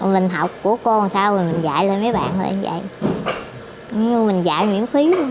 mình dạy miễn phí luôn